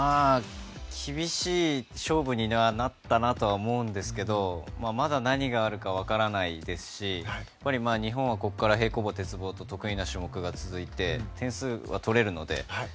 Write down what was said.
厳しい勝負にはなったなと思うんですけどまだ何があるか分からないですし日本はここから平行棒、鉄棒と得意な種目が続いて点数はとれるので。